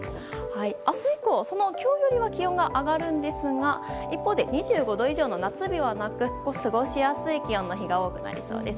明日以降、今日よりは気温が上がるんですが一方で２５度以上の夏日はなく過ごしやすい気温の日が多くなりそうです。